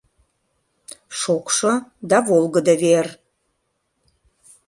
Шокшо да волгыдо вер...